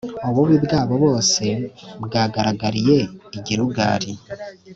Ububi bwabo bwose bwagaragariye i Gilugali